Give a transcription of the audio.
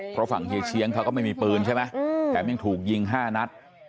เพราะฝั่งเฮียเชียงเขาก็ไม่มีปืนใช่ไหมแถมยังถูกยิง๕นัด